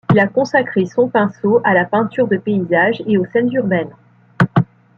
Il a consacré son pinceau à la peinture de paysage et aux scènes urbaines.